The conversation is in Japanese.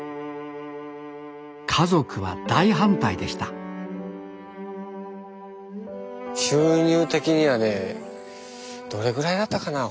家族は大反対でした収入的にはねどれくらいだったかな？